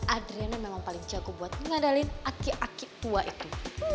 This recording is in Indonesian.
adrian memang paling jago buat mengandalin aki aki tua itu